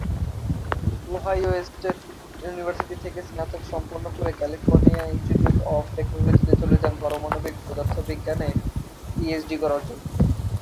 Ohio State University থেকে স্নাতক সম্পন্ন করে ক্যালিফোর্নিয়া ইনস্টিটিউট অফ টেকনোলজিতে চলে যান পারমাণবিক পদার্থবিজ্ঞানে পিএইচডি করার জন্য।